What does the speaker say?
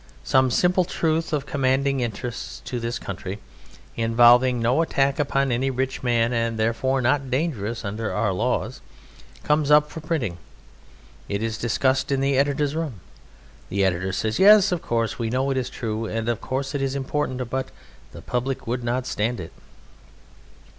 Some simple truth of commanding interest to this country, involving no attack upon any rich man, and therefore not dangerous under our laws, comes up for printing. It is discussed in the editor's room. The editor says, "Yes, of course, we know it is true, and of course it is important, but the Public would not stand it."